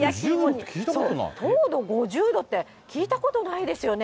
糖度５０度、糖度５０度って、聞いたことないですよね。